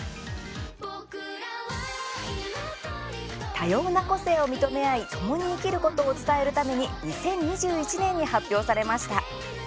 多様な個性を認め合いともに生きることを伝えるために２０２１年に発表されました。